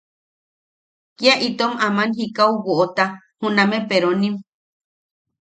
Kia itom aman jikau woʼota juname peronim.